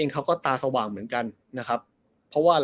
ในการกินไก่